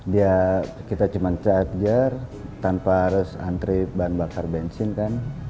dia kita cuma charger tanpa harus antre bahan bakar bensin kan